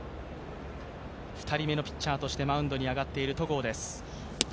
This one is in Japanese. ２人目のピッチャーとしてマウンドに上がっている戸郷です。